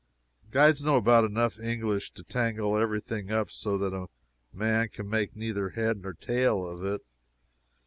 Guides know about enough English to tangle every thing up so that a man can make neither head or tail of it.